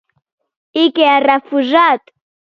I què ha refusat?